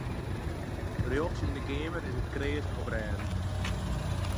Rjochts yn de keamer is it kreas en oprêden.